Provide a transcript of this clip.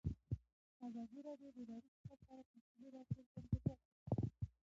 ازادي راډیو د اداري فساد په اړه تفصیلي راپور چمتو کړی.